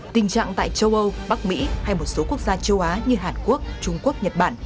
tình trạng tại châu âu bắc mỹ hay một số quốc gia châu á như hàn quốc trung quốc nhật bản